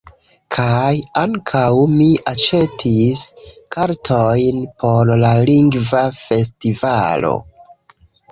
Kaj ankaŭ, mi aĉetis kartojn por la Lingva Festivalo.